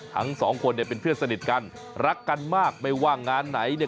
ทั้งสองคนเนี่ยเป็นเพื่อนสนิทกันรักกันมากไม่ว่างานไหนเนี่ย